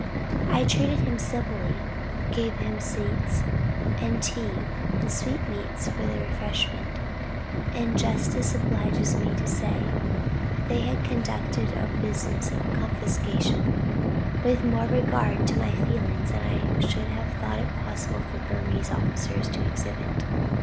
I treated them civilly, gave them seats, and tea and sweetmeats for their refreshment; and justice obliges me to say, that they conducted the business of confiscation, with more regard to my feelings than I should have thought it possible for Burmese officers to exhibit.